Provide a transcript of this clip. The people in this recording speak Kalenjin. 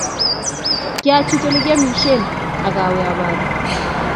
Kyachit olegiamishen agawe abaru